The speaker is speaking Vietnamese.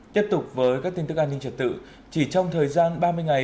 tiếp tục với các tin tức an ninh trật tự chỉ trong thời gian ba mươi ngày